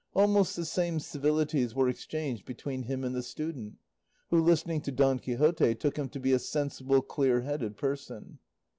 Almost the same civilities were exchanged between him and the student, who listening to Don Quixote, took him to be a sensible, clear headed person.